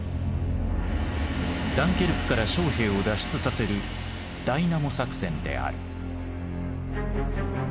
ダンケルクから将兵を脱出させるダイナモ作戦である。